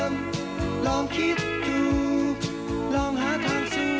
ขอบคุณค่ะ